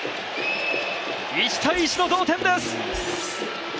１−１の同点です。